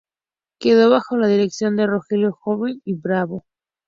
Quedó bajo la dirección de Rogelio Jove y Bravo.